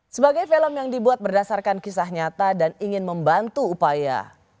sebagai film yang dibuat berdasarkan kisah nyata dan ingin membantu upaya